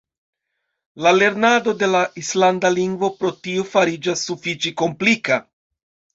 La lernado de la islanda lingvo pro tio fariĝas sufiĉe komplika.